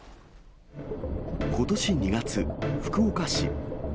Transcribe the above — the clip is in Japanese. ことし２月、福岡市。